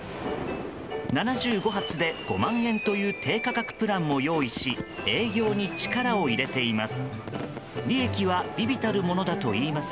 ７５発で５万円という低価格プランも用意し営業に力を入れています。